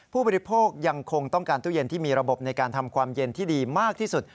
ผู้บริโภคยังคงต้องการตู้เย็นที่มีระบบในการทำความเย็นที่ดีมากที่สุด